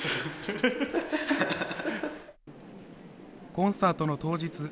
コンサートの当日。